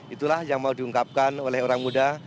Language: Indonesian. itulah yang mau diungkapkan oleh orang muda